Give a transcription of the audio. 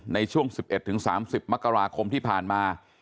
ในช่วง๑๑๓๐มกราคมที่ผ่านมา